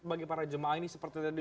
bagi para jemaah ini seperti tadi